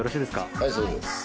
はいそうです。